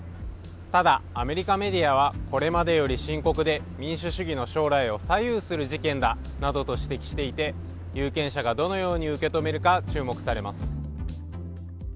ただアメリカメディアは、これまでより深刻で民主主義の将来を左右する事件だなどと指摘していて、有権者がどのように受け止めるか注目されます。